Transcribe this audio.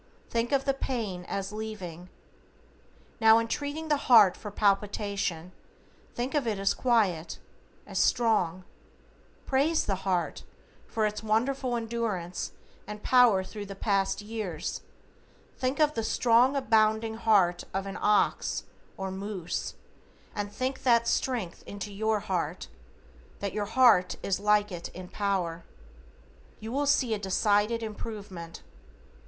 Think of the pain as LEAVING. Now, in treating the heart for palpitation, think of it as quiet, as strong, praise the heart for its wonderful endurance and power thru the past years, think of the strong abounding heart of an ox, or moose, and think that strength into your heart, that your heart is like it in power. You will see a decided improvement.